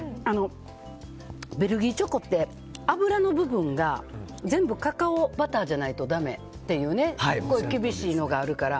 ベルギーチョコって脂の部分が全部カカオバターじゃないとだめという厳しいのがあるから。